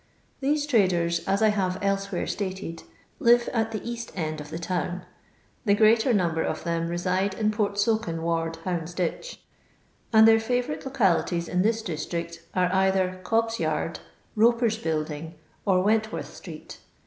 These tnders, as I have elsewhere stated, live at the £ajt end of the town. The greater number of them reside in Portsoken Ward, Uoundsditch ; and their fevourite localities in this district are either CobbVyard, Boper's building, or Went worth ftraet.